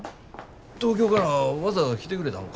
東京からわざわざ来てくれたんか？